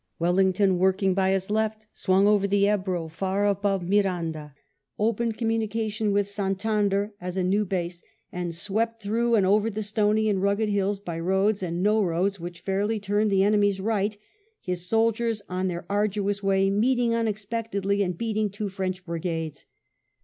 Wellington, working by his left, swung over the Ebro far above Miranda, opened communication with Santander as a new base, and swept through and over the stony and rugged hills by roads and no roads which fairly turned the enemy's right, his soldiers on their arduous way meeting unexpectedly and beating two French brigades.